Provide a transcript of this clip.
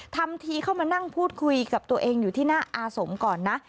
ทำทีเข้ามานั่งพูดคุยกับตัวเองอยู่ที่หน้าอาสมก่อนนะ